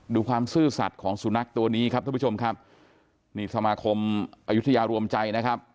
ความซื่อสัตว์ของสุนัขตัวนี้ครับท่านผู้ชมครับนี่สมาคมอายุทยารวมใจนะครับ